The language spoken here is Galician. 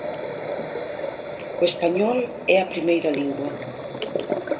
O español é a primeira lingua.